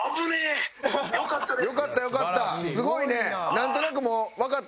よかったよかった！